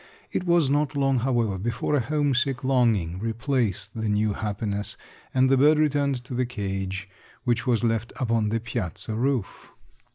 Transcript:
It was not long, however, before a homesick longing replaced the new happiness and the bird returned to the cage which was left upon the piazza roof.